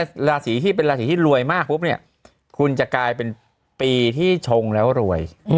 ราศีที่เป็นราศีที่รวยมากปุ๊บเนี่ยคุณจะกลายเป็นปีที่ชงแล้วรวย